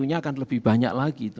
akan lebih banyak lagi